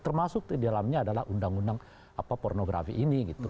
termasuk di dalamnya adalah undang undang pornografi ini gitu